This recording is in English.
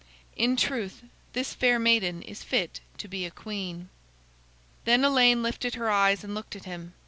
"In truth, this fair maiden is fit to be a queen." Then Elaine lifted her eyes and looked at him.